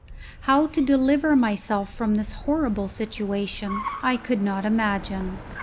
How to deliver myself from this horrible situation I could not imagine.